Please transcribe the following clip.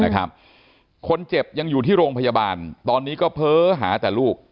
คนเจ็บยังอยู่ที่โรงพยาบาลตอนนี้ก็เพ้อหาแต่ลูก